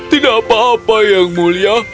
tidak apa apa yang mulia